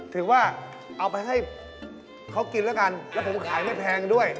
ถือว่าเอาไปให้เขากินแล้วกันแล้วผมขายไม่แพงด้วย